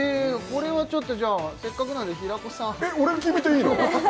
これはちょっとじゃあせっかくなんで平子さんえっ俺が決めていいの？